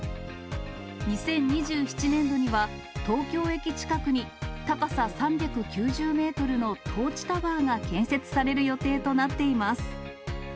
２０２７年度には、東京駅近くに高さ３９０メートルのトーチタワーが建設される予定となっています。